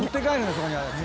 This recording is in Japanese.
そこにあるやつ。